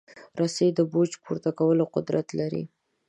رسۍ د بوج پورته کولو قدرت لري.